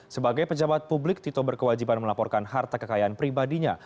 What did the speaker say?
sebagai pejabat publik tito berkewajiban melaporkan harta kekayaan pribadinya